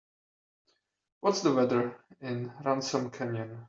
What's the weather in Ransom Canyon?